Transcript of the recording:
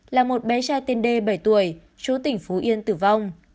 là một bé trai tên d bảy tuổi chú tỉnh phú yên tử vong